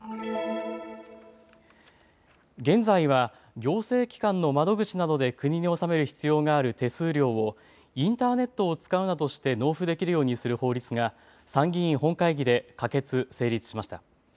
現在は行政機関の窓口などで国に納める必要がある手数料をインターネットを使うなどして納付できるようにする法律が参議院本会議で可決・成立しました。